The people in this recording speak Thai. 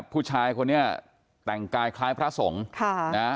ผู้ชายคนนี้แต่งกายคล้ายพระสงฆ์ค่ะนะ